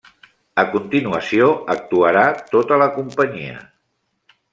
A continuació actuarà tota la companyia.